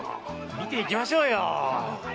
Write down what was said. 見ていきましょうよ！